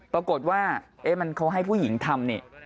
ปรากฏว่ามันเขาให้ผู้หญิงทำนี่